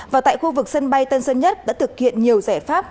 và tại khu vực sân bay tân sơn nhất đã thực hiện nhiều giải pháp